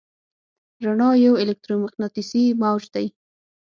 رڼا یو الکترومقناطیسي موج دی.